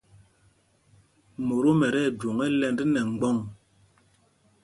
Mótom ɛ́ ti ɛjwoŋ ɛ́lɛ̄nd nɛ mgbɔ̂ŋ.